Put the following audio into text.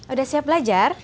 udah siap belajar